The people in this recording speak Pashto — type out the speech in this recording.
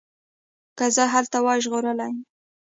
که زه هلته وای ژغورلي مي